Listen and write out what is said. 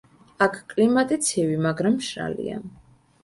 აქ კლიმატი ცივი, მაგრამ მშრალია.